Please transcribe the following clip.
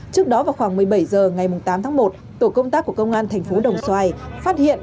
trước đó vào khoảng một mươi bảy h ngày tám tháng một tổ công tác của công an thành phố đồng xoài phát hiện